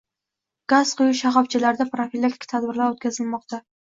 Gaz quyish shaxobchalarida profilaktik tadbirlar o‘tkazilmoqda